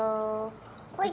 ほい！